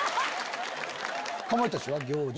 かまいたちは？行事。